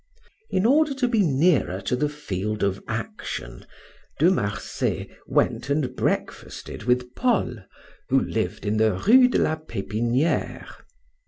In order to be nearer to the field of action, De Marsay went and breakfasted with Paul, who lived in the Rue de la Pepiniere.